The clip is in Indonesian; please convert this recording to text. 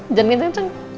eh jangan kenceng kenceng